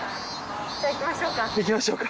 じゃあ行きましょうか。